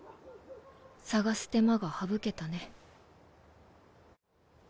捜す手間が省けたね。